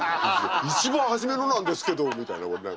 一番初めのなんですけどみたいな。